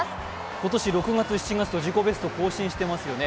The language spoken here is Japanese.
今年６月、７月と自己ベスト更新してますよね。